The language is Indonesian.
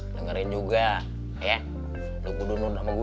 ntar aja gampang